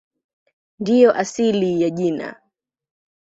Ndiyo asili ya jina.